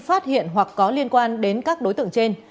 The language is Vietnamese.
phát hiện hoặc có liên quan đến các đối tượng trên